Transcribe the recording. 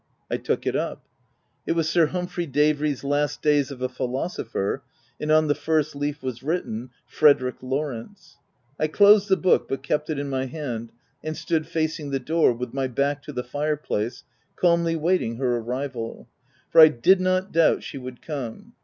I took it up. It was Sir Humphrey Davy's " Last days of a Philosopher/' and on the first leaf was written, — u Frederick Law rence. M I closed the book, but kept it in my hand, and stood facing the door, with my back to the fire place, calmly waiting her arrival ; for I did not doubt she would come.